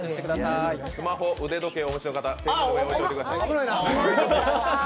スマホ、腕時計をお持ちの方テーブルの上に置いておいてください。